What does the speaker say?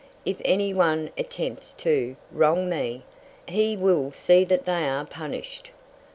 If any one attempts to wrong me, he will see that they are punished."